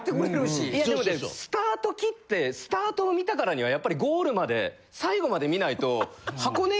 いやでもねスタート切ってスタートを見たからにはやっぱりゴールまで最後まで見ないと。